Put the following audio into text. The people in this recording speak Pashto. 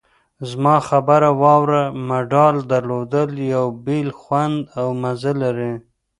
زما خبره واوره! مډال درلودل یو بېل خوند او مزه لري.